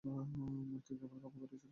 মূর্তি কেবল কাবা ঘরেই ছিল না।